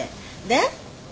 で？